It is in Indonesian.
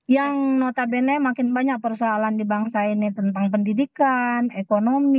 yang notabene makin banyak persoalan di bangsa ini tentang pendidikan ekonomi